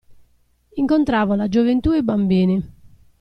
Incontravo la gioventù e i bambini.